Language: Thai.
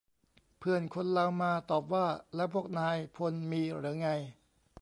เพื่อนคนลาวมาตอบว่า แล้วพวกนายพลมีเหรอไง ?